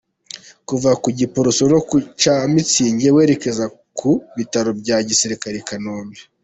Kuva ku Giporoso no ku Cyamitsingi werekeza ku bitaro bya Gisirikare by’i Kanombe.